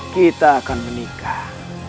kita akan menikah